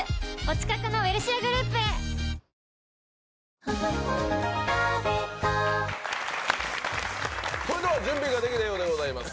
ニトリそれでは準備ができたようでございます。